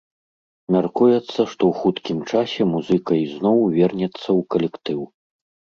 Мяркуецца, што ў хуткім часе музыка ізноў вернецца ў калектыў.